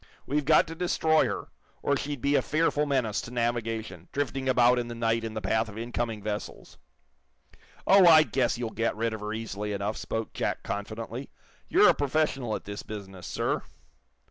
We've got to destroy her, or she'd be a fearful menace to navigation, drifting about in the night in the path of incoming vessels." "Oh, I guess you'll get rid of her easily enough," spoke Jack, confidently. "You're a professional at this business, sir."